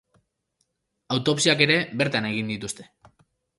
Autopsiak ere bertan egin dituzte.